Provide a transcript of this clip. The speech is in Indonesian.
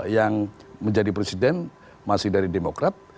yang menjadi presiden masih dari demokrat